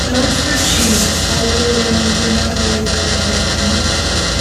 Lots were cheap, although loans were not available at that time.